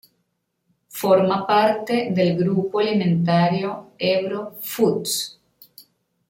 Forma parte del grupo alimentario Ebro Foods.